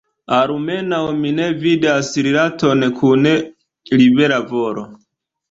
Almenaŭ mi ne vidas rilaton kun libera volo.